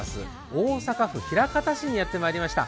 大阪府枚方市にやってまいりました。